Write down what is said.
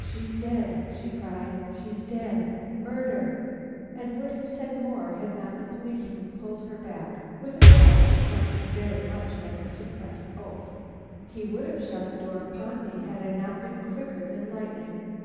"She's dead!" she cried, "she's dead! Murder!" and would have said more had not the policeman pulled her back, with a growl which sounded very much like a suppressed oath. He would have shut the door upon me had I not been quicker than lightning.